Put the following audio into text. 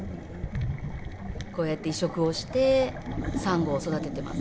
こうやって移植をしてサンゴを育ててます。